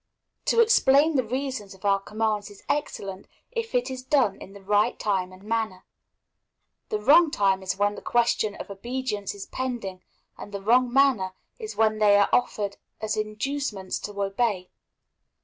To explain the reasons of our commands is excellent, if it is done in the right time and manner. The wrong time is when the question of obedience is pending, and the wrong manner is when they are offered as inducements to obey.